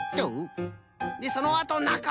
でそのあとなかをぬる。